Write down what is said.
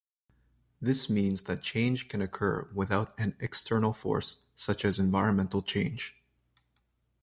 This means that change can occur without an external force such as environmental change.